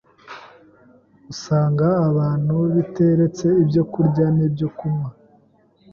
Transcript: Usanga abantu biteretse ibyokurya n’ibyokunywa